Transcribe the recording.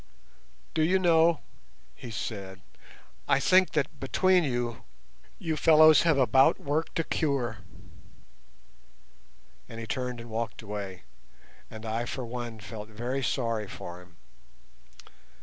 "Do you know," he said, "I think that between you, you fellows have about worked a cure," and he turned and walked away, and I for one felt very sorry for him.